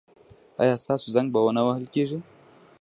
ایا ستاسو زنګ به و نه وهل کیږي؟